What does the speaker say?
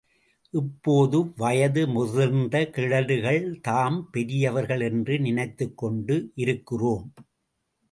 இப்போது வயதுமுதிர்ந்த கிழடுகள்தாம் பெரியவர்கள் என்று நினைத்துக்கொண்டு இருக்கிறோம்.